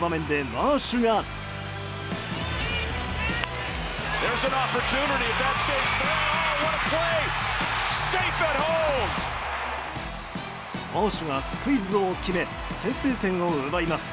マーシュがスクイズを決め先制点を奪います。